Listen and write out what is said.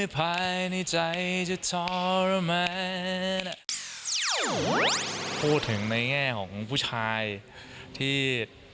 พูดถึงในแง่ของผู้ชายที่